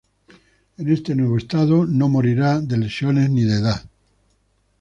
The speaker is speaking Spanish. En este nuevo estado, no morirá de lesiones ni de edad.